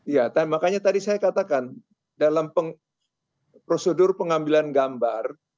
ya makanya tadi saya katakan dalam prosedur pengambilan gambar